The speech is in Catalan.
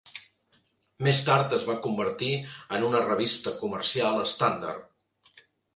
Més tard es va convertir en una revista comercial estàndard.